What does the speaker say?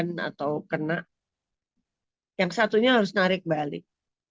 yang satu dari hal hal yang harus dilakukan adalah menarik balik